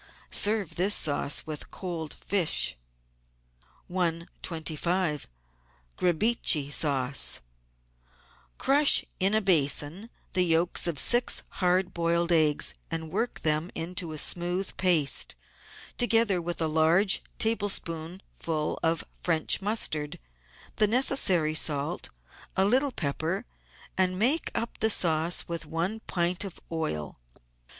Serve this sauce with cold fish. 125 QRIBICHE SAUCE Crush in a basin the yolks of six hard boiled eggs, and work them into a smooth paste, together with a large tablespoon ful of French mustard, the necessary salt, a little pepper, and make up the sauce with one pint of oil.